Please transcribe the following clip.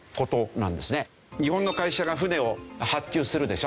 日本の会社が船を発注するでしょ。